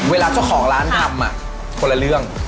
เวลาเจ้าของร้านทำคนละเรื่อง